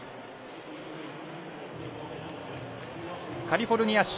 カリフォルニア州